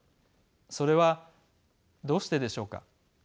それはどうしてでしょうか。